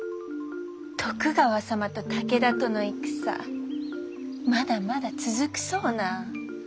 徳川様と武田との戦まだまだ続くそうな。